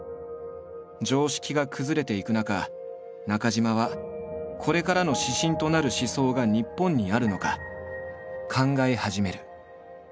常識が崩れていく中中島はこれからの指針となる思想が日本にあるのか考え始める。